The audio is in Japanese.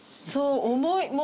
そう重い。